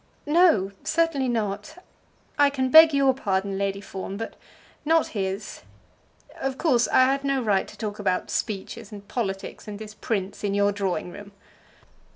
"No; certainly not. I can beg your pardon, Lady Fawn, but not his. Of course I had no right to talk about speeches, and politics, and this prince in your drawing room."